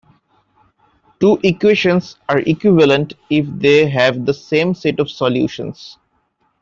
Two equations are equivalent if they have the same set of solutions.